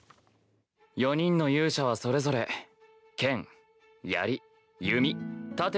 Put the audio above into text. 「４人の勇者はそれぞれ剣槍弓盾を武器として」。